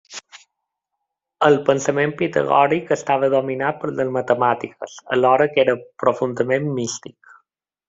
El pensament pitagòric estava dominat per les matemàtiques, alhora que era profundament místic.